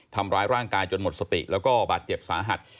ทำร้ายร่างกายจนหมดสติแล้วก็บาดเจ็บสาหัส